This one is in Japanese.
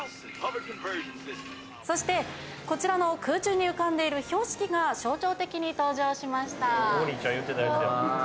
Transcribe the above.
そしてこちらの空中に浮かんでいる標識が象徴的に登場しました。